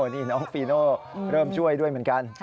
นี่น้องฟีโน่เริ่มช่วยด้วยเหมือนกัน